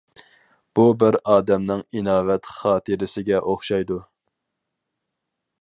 بۇ بىر ئادەمنىڭ ئىناۋەت خاتىرىسىگە ئوخشايدۇ.